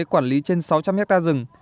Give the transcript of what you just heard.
quản lý trên sáu trăm linh ha rừng